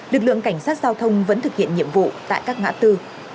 lực lượng cảnh sát giao thông vẫn thực hiện nhiệm vụ tại các ngã tư